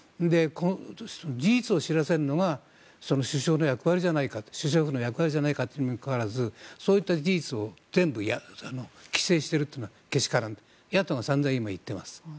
事実を知らせるのが首相の役割じゃないかというにもかかわらずそういった事実を全部規制しているというのはけしからんと野党がさんざん今言っています。